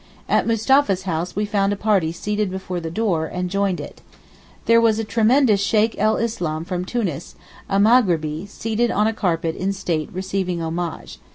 At Mustapha's house we found a party seated before the door, and joined it. There was a tremendous Sheykh el Islam from Tunis, a Maghribee, seated on a carpet in state receiving homage.